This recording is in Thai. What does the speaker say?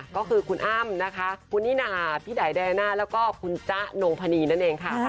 ก็คือคุณอ้ำนะคะคุณนิน่าพี่ไดน่าแล้วก็คุณจ๊ะนงพนีนั่นเองค่ะ